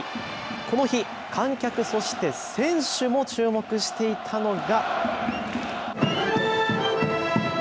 この日、観客、そして選手も注目していたのが。